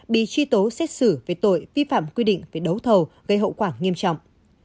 bị truy tố xét xử về tội vi phạm quy định về đấu thầu gây hậu quả nghiêm trọng